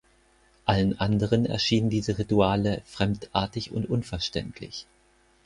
Allen anderen erschienen diese Rituale fremdartig und unverständlich.